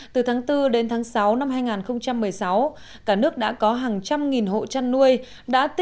từ tháng bốn đến tháng sáu năm hai nghìn một mươi sáu cả nước đã có hàng trăm nghìn hộ chăn nuôi